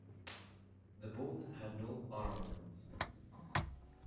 The boat had no armament.